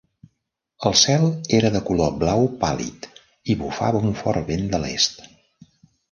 El cel era de color blau pàl·lid i bufava un fort vent de l'est